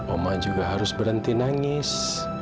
oma juga harus berhenti nangis